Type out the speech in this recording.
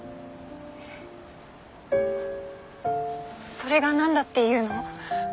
それがなんだっていうの？